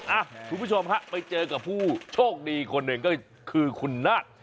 คุณผู้ชมฮะไปเจอกับผู้โชคดีคนหนึ่งก็คือคุณนาฏ